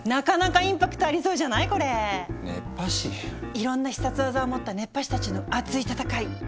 いろんな必殺技を持った熱波師たちのアツい戦い。